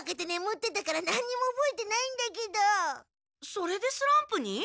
それでスランプに？